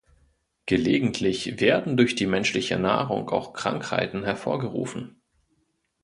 Gelegentlich werden durch die menschliche Nahrung auch Krankheiten hervorgerufen.